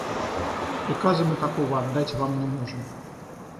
Приказа мы такого отдать Вам не можем.